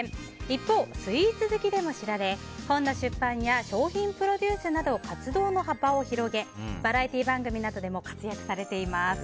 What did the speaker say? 一方、スイーツ好きでも知られ本の出版や商品プロデュースなど活動の幅を広げバラエティー番組などでも活躍されています。